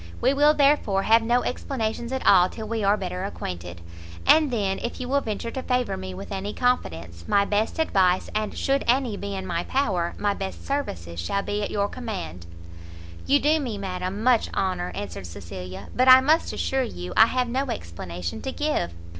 We will, therefore, have no explanations at all till we are better acquainted, and then if you will venture to favour me with any confidence, my best advice, and, should any be in my power, my best services shall be at your command." "You do me, madam, much honour," answered Cecilia, "but I must assure you I have no explanation to give."